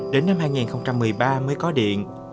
đến năm hai nghìn một mươi ba mới có điện